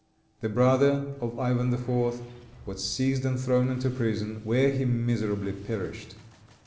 The brother of Ivan IV. was seized and thrown into prison, where he miserably perished.